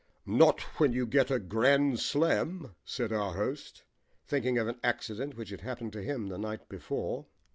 "Not when you get a grand slam," said our host, thinking of an accident which had happened to him the night before.